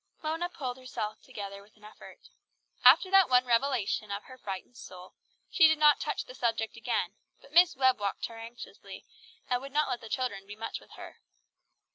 Mona pulled herself together with an effort. After that one revelation of her frightened soul, she did not touch upon the subject again, but Miss Webb watched her anxiously, and would not let the children be much with her.